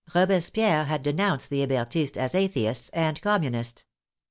Robespierre had denounced the Hebertists as Atheists and Communists.